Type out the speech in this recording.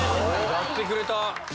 やってくれた。